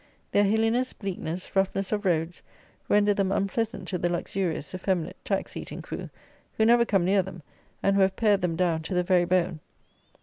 Their hilliness, bleakness, roughness of roads, render them unpleasant to the luxurious, effeminate, tax eating crew, who never come near them, and who have pared them down to the very bone.